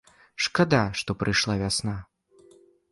Шкада, што прыйшла вясна.